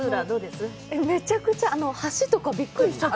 めちゃくちゃ、橋とかびっくりしちゃった。